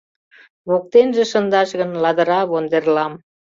Воктенже шындаш гын ладыра вондерлам